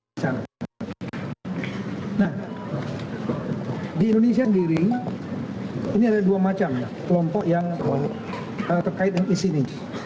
nah di indonesia sendiri ini ada dua macam kelompok yang terkait dengan isi ini